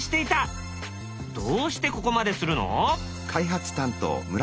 どうしてここまでするの？